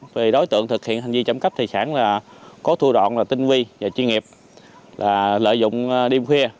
vì đối tượng thực hiện hành vi trộm cắp tài sản là có thua đoạn là tinh vi và chuyên nghiệp là lợi dụng đêm khuya